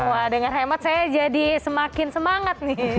wah dengan hemat saya jadi semakin semangat nih